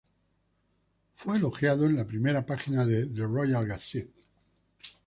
Fue elogiado en la primera página de "The Royal Gazette".